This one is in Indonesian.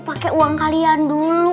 pake uang kalian dulu